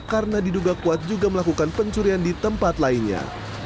tapi tidak ada yang melakukan pencurian di tempat lainnya